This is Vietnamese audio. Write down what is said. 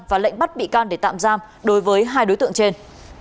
và lệnh bắt bị can để tạm giam đối với hai đối tượng trên